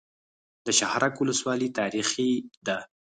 د شهرک ولسوالۍ تاریخي ده